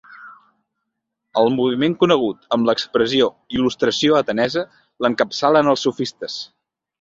El moviment conegut amb l'expressió «Il·lustració atenesa» l'encapçalen els sofistes.